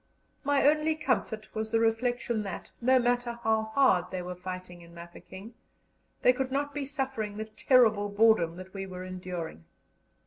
My only comfort was the reflection that, no matter how hard they were fighting in Mafeking, they could not be suffering the terrible boredom that we were enduring.